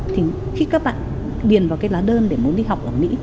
thì khi các bạn điền vào cái lá đơn để muốn đi học ở mỹ